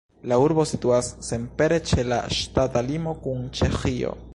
La urbo situas senpere ĉe la ŝtata limo kun Ĉeĥio.